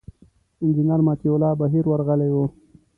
انجینر مطیع الله بهیر ورغلي و.